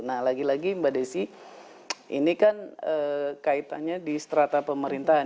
nah lagi lagi mbak desi ini kan kaitannya di strata pemerintahan